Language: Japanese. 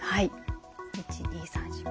１２３４５。